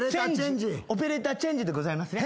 オペレーターチェンジでございますね。